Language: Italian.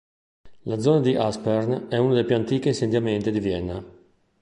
La zona di Aspern è uno dei più antichi insediamenti di Vienna.